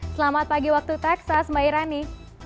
selamat pagi waktu texas mbak irani